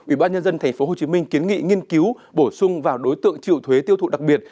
ubnd tp hcm kiến nghị nghiên cứu bổ sung vào đối tượng triệu thuế tiêu thụ đặc biệt